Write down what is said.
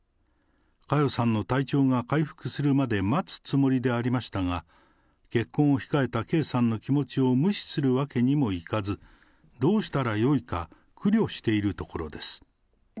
佳代さんの体調が回復するまで待つつもりでありましたが、結婚を控えた圭さんの気持ちを無視するわけにもいかず、どうしたらよいか苦慮しているところです。